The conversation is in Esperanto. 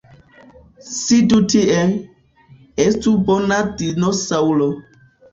Sidu tie! Estu bona dinosaŭro!